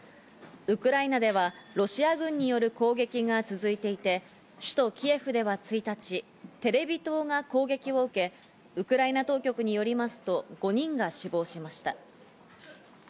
ウクライナではロシア軍による攻撃が続いていて、首都・キエフでは１日、テレビ塔が攻撃を受け、ウクライナ当局によりますと５人が死亡しました。